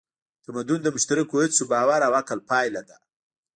تمدن د مشترکو هڅو، باور او عقل پایله ده.